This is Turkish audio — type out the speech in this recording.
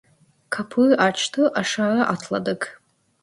Kapıyı açtı, aşağıya atladık.